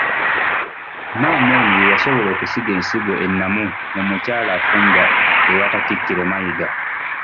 Maama ono ye yasobola okusiga ensigo ennamu mu mukyala afumba ewa Katikkiro Mayiga.